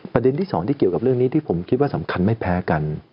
ประเด็นที่สองที่เกี่ยวกับเรื่องนี้ที่ผมคิดว่าสำคัญไม่แพ้กัน